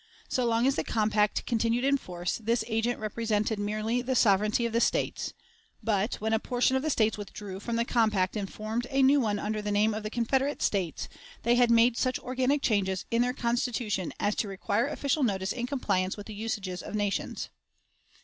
So long as the compact continued in force, this agent represented merely the sovereignty of the States. But, when a portion of the States withdrew from the compact and formed a new one under the name of the Confederate States, they had made such organic changes in their Constitution as to require official notice in compliance with the usages of nations.